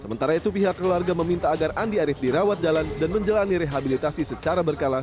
sementara itu pihak keluarga meminta agar andi arief dirawat jalan dan menjalani rehabilitasi secara berkala